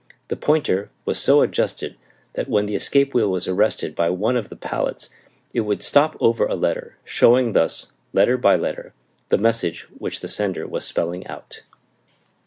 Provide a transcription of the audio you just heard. The pointer was so adjusted that when the escape wheel was arrested by one of the pallets it would stop over a letter, showing thus, letter by letter, the message which the sender was spelling out.